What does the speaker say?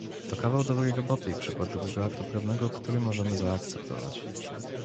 To kawał dobrej roboty i przykład dobrego aktu prawnego, który możemy zaakceptować